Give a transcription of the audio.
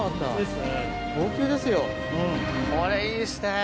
これいいですね。